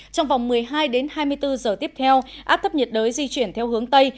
trong vòng một mươi hai đến hai mươi bốn giờ tiếp theo áp thấp nhiệt đới di chuyển theo hướng tây